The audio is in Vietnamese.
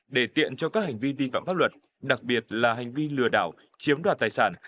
để tiện cho các hành vi vi phạm pháp luật đặc biệt là hành vi lừa đảo chiếm đoạt tài sản